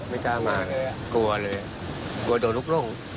ไม่กล้ามาเลยกลัวเลยกลัวโดนลูกลง